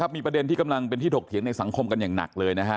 มีประเด็นที่กำลังเป็นที่ถกเถียงในสังคมกันอย่างหนักเลยนะฮะ